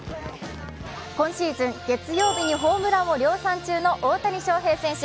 今シーズン、月曜日にホームランを量産中の大谷翔平選手。